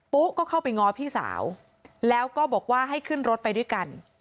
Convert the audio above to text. ุ๊ก็เข้าไปง้อพี่สาวแล้วก็บอกว่าให้ขึ้นรถไปด้วยกัน